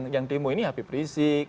yang demo ini habib rizik